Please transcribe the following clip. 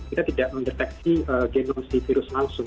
kita tidak mendeteksi genos si virus langsung